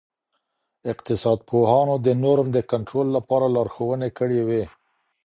اقتصاد پوهانو د نورم د کنټرول لپاره لارښووني کړي وې.